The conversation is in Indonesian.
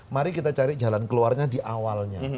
mari kita cari jalan keluarnya di awalnya